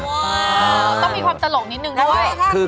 ต้องมีความตลกนิดนึงด้วย